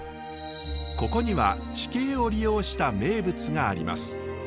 ここには地形を利用した名物があります。